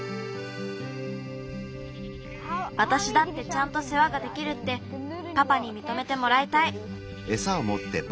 わたしだってちゃんとせわができるってパパにみとめてもらいたい。